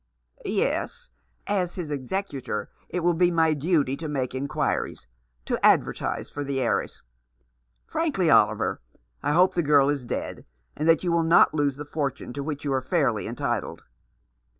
"Yes, as his executor it will be my duty to make inquiries, to advertise for the heiress. Frankly, Oliver, I hope the girl is dead, and that you will not lose the fortune to which you are fairly entitled."